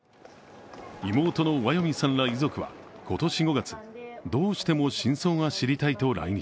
妹のワヨミさんら遺族は今年５月どうしても真相が知りたいと来日。